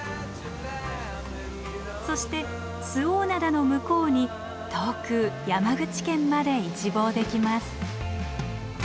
そして周防灘の向こうに遠く山口県まで一望できます。